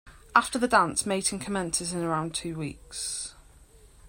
After the dance, mating commences in around two weeks.